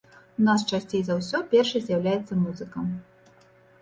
У нас часцей за ўсё першай з'яўляецца музыка.